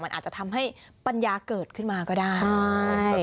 มันอาจจะทำให้ปัญญาเกิดขึ้นมาก็ได้ใช่